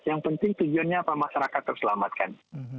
yang penting tujuannya apa masyarakat terselamatkan